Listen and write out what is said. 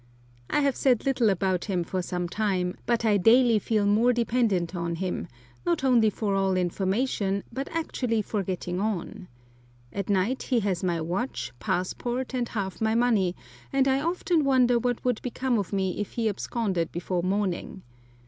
I have said little about him for some time, but I daily feel more dependent on him, not only for all information, but actually for getting on. At night he has my watch, passport, and half my money, and I often wonder what would become of me if he absconded before morning.